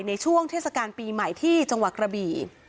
ในช่วงเทศกาลปีใหม่ที่จังหวัดกระบี่